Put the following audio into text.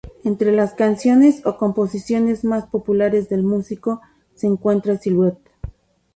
Entre las canciones o composiciones más populares del músico, se encuentra "Silhouette".